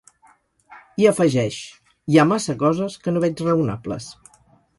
I afegeix: Hi ha massa coses que no veig raonables.